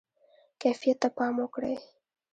کیفیت ته پام وکړئ